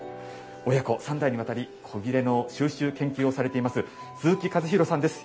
親子三代にわたり古裂の収集・研究をされています鈴木一弘さんです。